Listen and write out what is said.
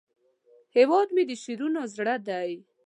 هیواد مې د شعرونو زړه دی